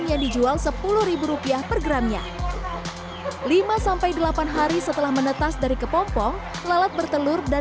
yang dijual sepuluh rupiah per gramnya lima delapan hari setelah menetas dari kepompong lalat bertelur dan